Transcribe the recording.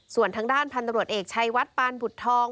ส่วนทางด้านพันตรวจเอกชัยวัดปานบุตรทอง